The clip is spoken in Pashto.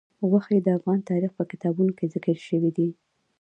غوښې د افغان تاریخ په کتابونو کې ذکر شوی دي.